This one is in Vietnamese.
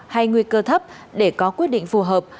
hay nguy cơ thấp để có quyết định phù hợp